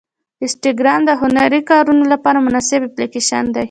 انسټاګرام د هنري کارونو لپاره مناسب اپلیکیشن دی.